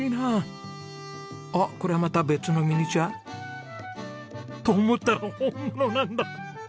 あっこれはまた別のミニチュア？と思ったら本物なんだ。